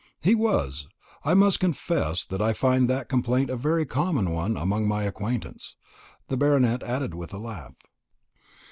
"He was. I must confess that I find that complaint a very common one among my acquaintance," the Baronet added with a laugh.